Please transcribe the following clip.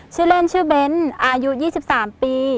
ชื่อเล่นชื่อเบ้นอายุ๒๓ปี